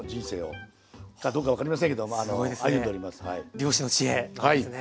漁師の知恵ですね。